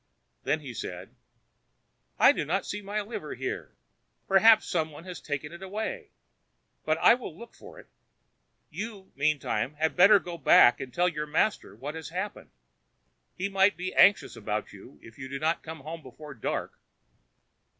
Then he said: "I do not see my liver here. Perhaps somebody has taken it away. But I will look for it. You, meantime, had better go back and tell your master what has happened. He might be anxious about you if you did not get home before dark."